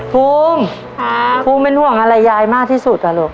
ภูมิภูมิเป็นห่วงอะไรยายมากที่สุดอ่ะลูก